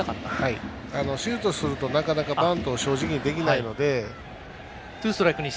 シフトすると、なかなかバントを正直にできないので。